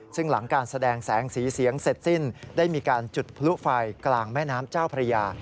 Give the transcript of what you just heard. ซึ่งหลังการแสดงแสงสีเสียงเสร็จสิ้นได้มีการจุดพลุไฟกลางแม่น้ำเจ้าพระยา